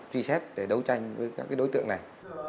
truy xét để đấu tranh với các đối tượng này